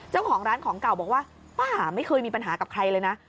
เจ้าของร้านของเก่าบอกว่าป้าไม่เคยมีปัญหากับใครเลยนะ